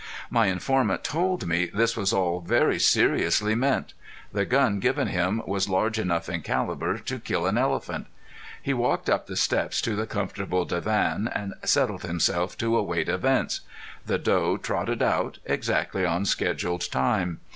My informant told me this was all very seriously meant. The gun given him was large enough in calibre to kill an elephant. He walked up the steps to the comfortable divan and settled himself to await events. The doe trotted out exactly on schedule time.